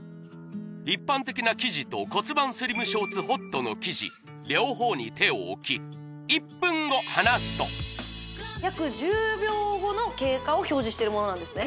一般的な生地と骨盤スリムショーツＨＯＴの生地両方に手を置き１分後離すと約１０秒後の経過を表示してるものなんですね